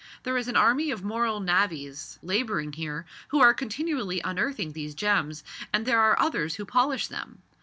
There is an army of moral navvies labouring here, who are continually unearthing these gems, and there are others who polish them.